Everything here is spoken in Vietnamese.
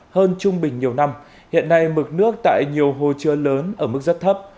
hơn trung bình nhiều năm hiện nay mực nước tại nhiều hồ chứa lớn ở mức rất thấp